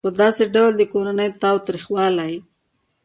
په داسې ډول د کورني تاوتریخوالي